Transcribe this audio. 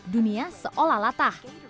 dunia seolah latah